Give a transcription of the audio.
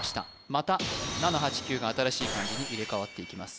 また７８９が新しい漢字に入れ代わっていきます